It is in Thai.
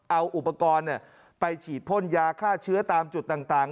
เอาอุปกรณ์ไปฉีดพ่นยาฆ่าเชื้อตามจุดต่าง